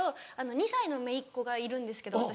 ２歳のめいっ子がいるんですけど私。